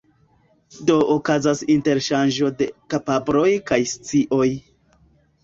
Do okazas interŝanĝo de kapabloj kaj scioj.